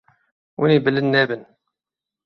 Hûn ê bilind nebin.